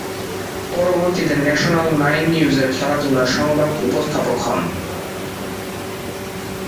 পরবর্তীতে national nine নিউজের খেলাধুলা সংবাদ উপস্থাপক হন।